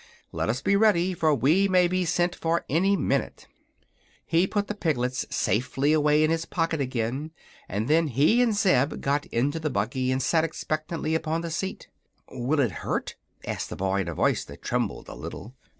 Let us be ready, for we may be sent for any minute." He put the piglets safely away in his pocket again and then he and Zeb got into the buggy and sat expectantly upon the seat. "Will it hurt?" asked the boy, in a voice that trembled a little.